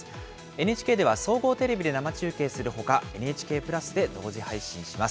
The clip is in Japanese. ＮＨＫでは総合テレビで生中継するほか、ＮＨＫプラスで同時配信します。